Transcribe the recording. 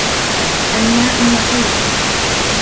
الماء نقي.